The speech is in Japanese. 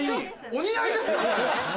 お似合いですか？